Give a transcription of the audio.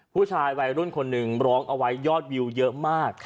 ผู้ชายวัยรุ่นคนหนึ่งร้องเอาไว้ยอดวิวเยอะมาก